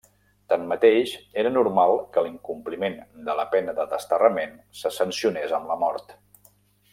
Tanmateix, era normal que l'incompliment de la pena de desterrament se sancionés amb la mort.